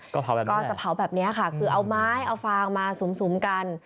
ก็ก็จะเผาแบบนี้ค่ะคือเอาไม้เอาฟางมาสุ่มกัน